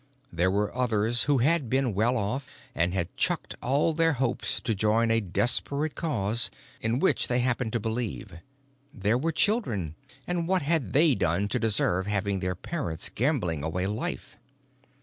There were others who had been well off and had chucked all their hopes to join a desperate cause in which they happened to believe. There were children and what had they done to deserve having their parents gambling away life?